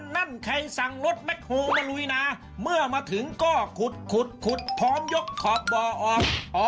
นั่นใครสั่งรถแบ็คโฮลมาลุยนาเมื่อมาถึงก็ขุดขุดพร้อมยกขอบบ่อออก